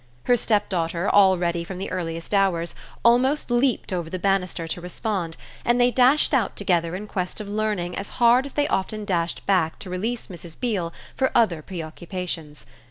Her stepdaughter, all ready from the earliest hours, almost leaped over the banister to respond, and they dashed out together in quest of learning as hard as they often dashed back to release Mrs. Beale for other preoccupations.